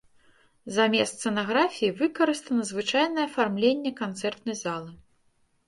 Замест сцэнаграфіі выкарыстана звычайнае афармленне канцэртнай залы.